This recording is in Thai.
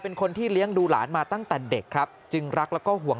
เป็นคนที่เลี้ยงดูหลานมาตั้งแต่เด็กครับจึงรักแล้วก็ห่วง